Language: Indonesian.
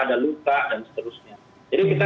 ada luka dan seterusnya jadi kita